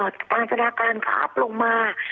ต่างจนาการขออัพลงมา